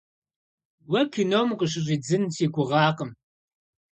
Уэ кином укъыщыщӏидзын си гугъакъым.